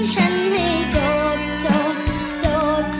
ฉันไม่จบจบ